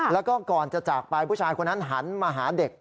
แล้วก็ก่อนจะจากไปผู้ชายคนนั้นหันมาหาเด็ก